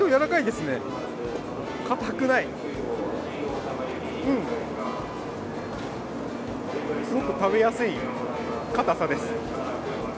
すごく食べやすい、かたさです。